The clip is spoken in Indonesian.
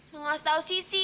menguas tau sissy